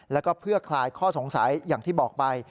แล้วก็เพื่อคลายข้อสงสัยอย่างที่บอกไป